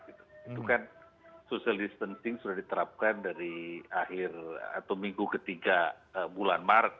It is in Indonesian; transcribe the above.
itu kan social distancing sudah diterapkan dari akhir atau minggu ketiga bulan maret